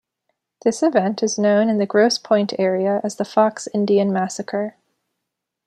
This event is known in the Grosse Pointe area as the Fox Indian Massacre.